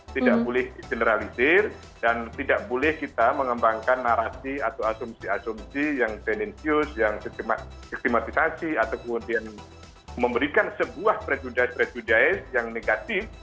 tidak boleh generalisir dan tidak boleh kita mengembangkan narasi atau asumsi asumsi yang tendensius yang sistematisasi atau kemudian memberikan sebuah prejudice prejudice yang negatif